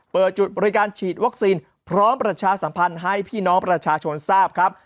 เปิดจุดบริการฉีดวัคซีนพร้อมประชาสัมพันธ์ให้พี่น้องประชาชนทราบครับ